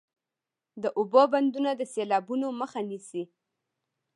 د اوبو بندونه د سیلابونو مخه نیسي